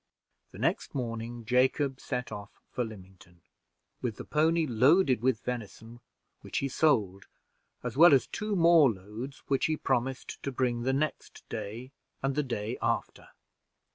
The next morning, Jacob set off for Lymington, with the pony loaded with venison, which he sold, as well as two more loads which he promised to bring the next day, and the day after.